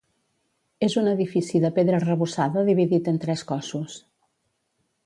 És un edifici de pedra arrebossada dividit en tres cossos.